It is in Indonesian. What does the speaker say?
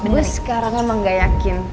gue sekarang emang gak yakin